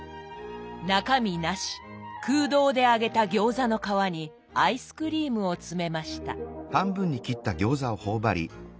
中身なし空洞で揚げた餃子の皮にアイスクリームを詰めました。